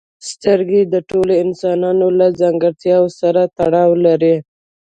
سترګې د ټولو انسانانو له ځانګړتیاوو سره تړاو لري.